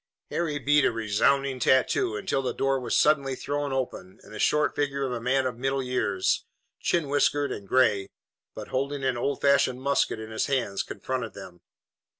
Harry beat a resounding tattoo until the door was suddenly thrown open and the short figure of a man of middle years, chin whiskered and gray, but holding an old fashioned musket in his hands, confronted them.